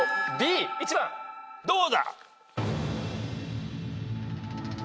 どうだ？